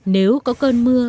nếu có cơn mưa